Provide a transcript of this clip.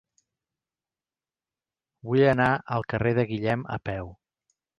Vull anar al carrer de Guillem a peu.